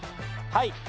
はい。